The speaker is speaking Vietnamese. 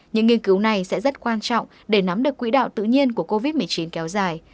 những nghiên cứu này sẽ rất quan trọng để nắm được quỹ đạo tự nhiên của covid một mươi chín kéo dài